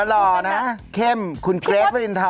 เออหล่อนะเค้มคุณเกรฟบริณทร